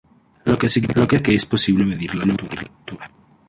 Lo que significa que es posible medir la altura.